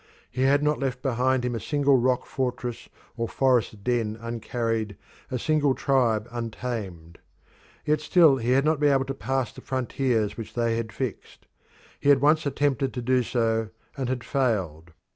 He had not left behind him a single rock fortress or forest den uncarried, a single tribe untamed. Yet still he had not been able to pass the frontiers which they had fixed. He had once attempted to do so and had failed.